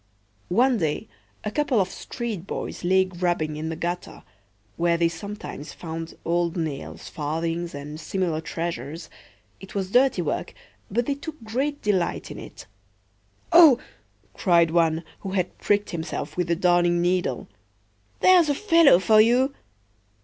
One day a couple of street boys lay grubbing in the gutter, where they sometimes found old nails, farthings, and similar treasures. It was dirty work, but they took great delight in it."O!" cried one, who had pricked himself with the Darning needle, "there's a fellow for you!"